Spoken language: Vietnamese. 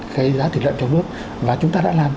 cái giá thịt lợn trong nước và chúng ta đã làm